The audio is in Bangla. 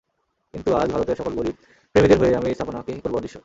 কিন্তু আজ, ভারতের সকল গরীব প্রেমীদের হয়ে আমি এই স্থাপনাকে করব অদৃশ্য।